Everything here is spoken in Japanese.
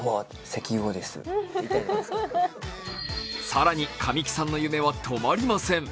更に、神木さんの夢は止まりません。